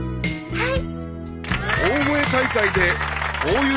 はい。